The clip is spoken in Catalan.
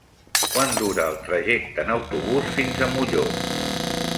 Quant dura el trajecte en autobús fins a Molló?